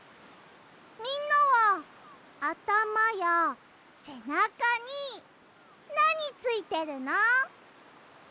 みんなはあたまやせなかになについてるの？